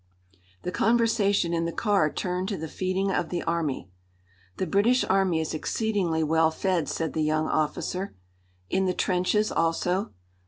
The conversation in the car turned to the feeding of the army. "The British Army is exceedingly well fed," said the young officer. "In the trenches also?"